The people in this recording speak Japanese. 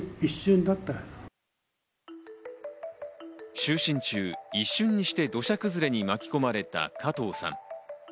就寝中、一瞬にして土砂崩れに巻き込まれた加藤さん。